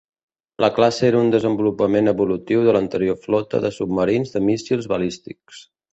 La classe era un desenvolupament evolutiu de l'anterior flota de submarins de míssils balístics.